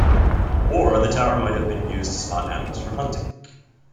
Or the tower might have been used to spot animals for hunting.